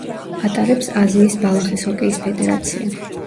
ატარებს აზიის ბალახის ჰოკეის ფედერაცია.